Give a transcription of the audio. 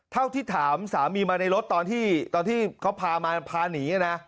เท่าที่ถามสามีมาในรถตอนที่เขาพามาพาหนีนะ